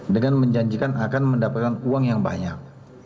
dengan menjanjikan akan mendapatkan uang yang banyak